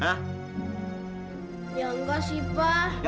ya enggak sih pa